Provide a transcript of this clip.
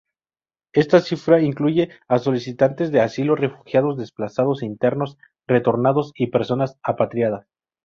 Esta cifra incluye a solicitantes de asilo, refugiados, desplazados internos, retornados y personas apátridas.